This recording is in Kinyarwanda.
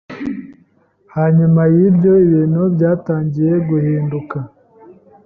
Hanyuma y’ibyo, ibintu byatangiye guhinduka.